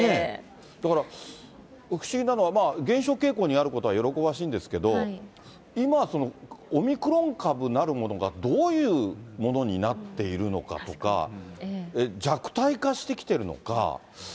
だから、不思議なのは減少傾向にあることは喜ばしいんですけど、今、オミクロン株なるものがどういうものになっているのかとか、弱体化してきているのか。